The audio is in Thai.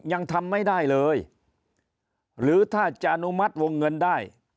ยังทำไม่ได้เลยหรือถ้าจะอนุมัติวงเงินได้